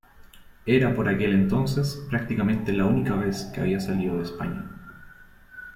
Era por aquel entonces prácticamente la única vez que había salido de España.